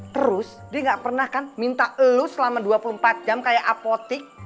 terus dia nggak pernah kan minta lo selama dua puluh empat jam kayak apotik